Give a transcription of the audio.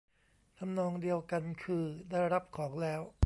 ทำนองเดียวกันคือ ได้รับของแล้ว